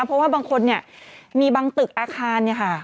เพราะว่าบางคนเนี่ยมีบางตึกอาคารเนี่ยค่ะ